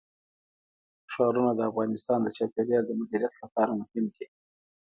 ښارونه د افغانستان د چاپیریال د مدیریت لپاره مهم دي.